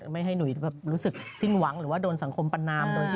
ไม่ให้หนุ่ยรู้สึกสิ้นหวังหรือว่าโดนสังคมประนามโดยที่